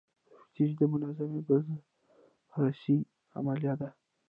تفتیش د منظمې بازرسۍ عملیه ده.